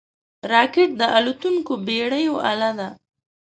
راکټ د راتلونکو پېړیو اله ده